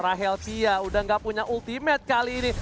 rahel chia udah gak punya ultimate kali ini